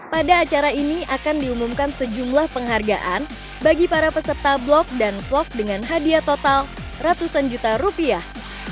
pada acara ini akan diumumkan sejumlah penghargaan bagi para peserta blok dan vlog dengan hadiah total ratusan juta rupiah